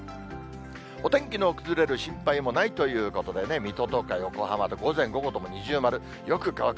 お天気の崩れる心配もないということでね、水戸とか横浜で午前、午後とも二重丸、よく乾く。